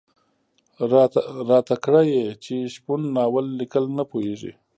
راته کړه یې چې شپون ناول ليکل نه پوهېږي.